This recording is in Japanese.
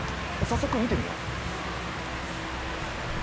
早速見てみよう。